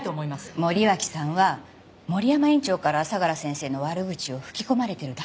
森脇さんは森山院長から相良先生の悪口を吹き込まれてるだけなんですから。